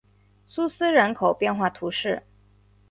苏斯人口变化图示